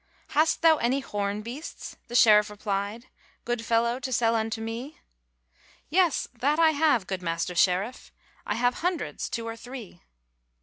'Hast thou any horn beasts,' the sheriff repli'd, 'Good fellow, to sell unto me?' 'Yes, that I have, good Master Sheriff, I have hundreds two or three.